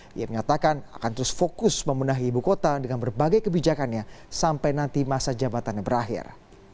dia menyatakan akan terus fokus membenahi ibu kota dengan berbagai kebijakannya sampai nanti masa jabatannya berakhir